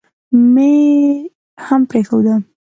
مې هم پرېښود.